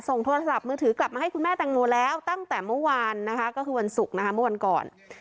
โทรศัพท์มือถือกลับมาให้คุณแม่แตงโมแล้วตั้งแต่เมื่อวานนะคะก็คือวันศุกร์นะคะเมื่อวันก่อน